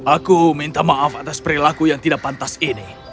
aku minta maaf atas perilaku yang tidak pantas ini